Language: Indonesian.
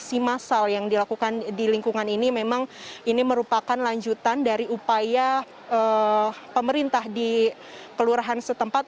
operasi massal yang dilakukan di lingkungan ini memang ini merupakan lanjutan dari upaya pemerintah di kelurahan setempat